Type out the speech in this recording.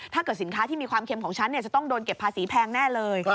สินค้าที่มีความเค็มของฉันจะต้องโดนเก็บภาษีแพงแน่เลย